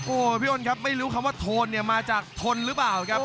โอ้โหพี่อ้นครับไม่รู้คำว่าโทนเนี่ยมาจากทนหรือเปล่าครับ